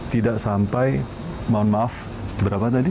tidak sampai mohon maaf berapa tadi